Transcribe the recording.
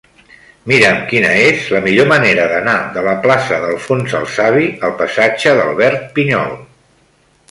Mira'm quina és la millor manera d'anar de la plaça d'Alfons el Savi al passatge d'Albert Pinyol.